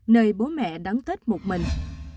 nơi bố mẹ đón tết một mình